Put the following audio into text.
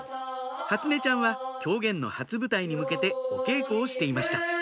初音ちゃんは狂言の初舞台に向けてお稽古をしていました